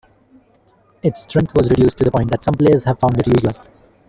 Its strength was reduced to the point that some players have found it useless.